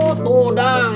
oh tuh dang